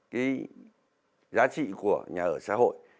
cái giá trị của nhà ở xã hội